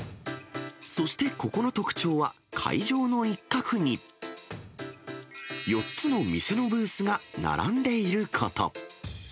そしてここの特徴は、会場の一角に、４つの店のブースが並んでいること。